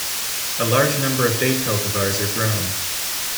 A large number of date cultivars are grown.